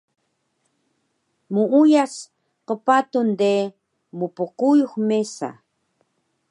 Muuyas qpatun de mpquyux mesa